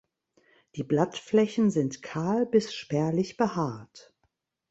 Die Blattflächen sind kahl bis spärlich behaart.